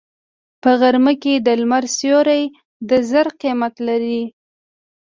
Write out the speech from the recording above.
په غرمه کې د لمر سیوری د زر قیمت لري